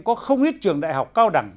có không ít trường đại học cao đẳng